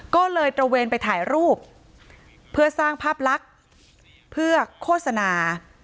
ก็เลยตระเวนไปถ่ายรูปเพื่อสร้างภาพลักษณ์เพื่อโฆษณา